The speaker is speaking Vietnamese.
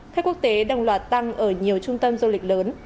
khách quốc tế đồng loạt tăng ở nhiều trung tâm du lịch lớn